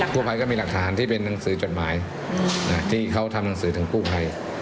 ผู้ภัยก็มีหลักฐานที่เป็นหนังสือจดหมายที่เขาทำหนังสือถึงกู้ภัย